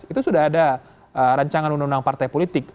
itu sudah ada rancangan undang undang partai politik